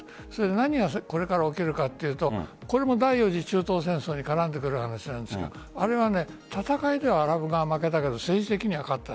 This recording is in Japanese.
何がこれから起きるかというとこれも第４次中東戦争に絡んでくる話ですがあれは戦いではアラブ側、負けたけど政治的には勝った。